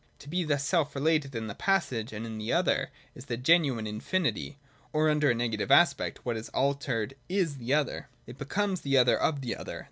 ^o be thus self related in the passage, and in the other, is the genuine Infinity. Or, under a negative aspect : what is altered is the other, it becomes the other of the other.